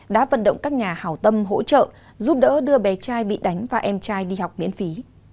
đã vận động các nhà hào tâm hỗ trợ giúp đỡ đưa bé trai bị đánh và em trai đi học miễn phí